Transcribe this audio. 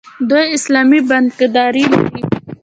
دوی اسلامي بانکداري لري.